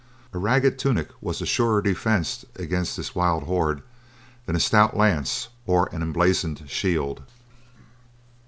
A ragged tunic was a surer defence against this wild horde than a stout lance or an emblazoned shield.